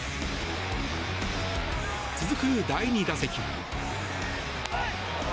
続く第２打席。